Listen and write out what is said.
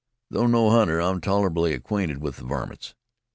Though no hunter, I'm tolerably acquainted with the varmints.